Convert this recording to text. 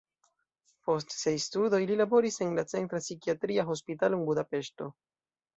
Post siaj studoj li laboris en la centra psikiatria hospitalo en Budapeŝto.